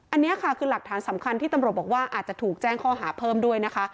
อันนี้ค่ะคือหลักฐานสำคัญที่ตำรวจบอกว่าอาจจะถูกแจ้งข้อหาเพิ่มด้วยนะคะ